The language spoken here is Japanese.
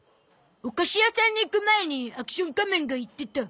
お菓子屋さんに行く前にアクション仮面が言ってた。